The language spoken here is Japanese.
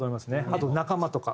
あと仲間とか。